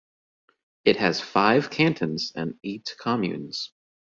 It has five cantons and eight communes.